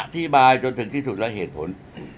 บายจนถึงที่สุดและเหตุผล